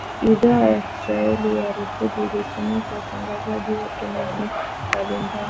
idhaa ya kiswahili ya rfi ilituma watangazaji wake maeneo mbalimbali